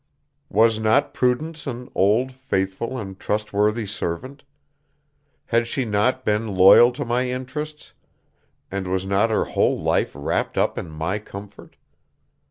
Was not Prudence an old, faithful, and trustworthy servant? Had she not been loyal to my interests, and was not her whole life wrapped up in my comfort?